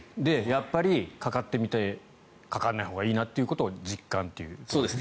やっぱりかかってみてかからないほうがいいなと実感と。